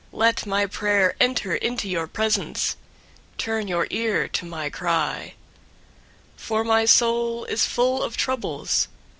088:002 Let my prayer enter into your presence. Turn your ear to my cry. 088:003 For my soul is full of troubles.